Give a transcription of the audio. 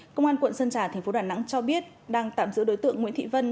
công an quận sơn trà tp đà nẵng cho biết đang tạm giữ đối tượng nguyễn thị vân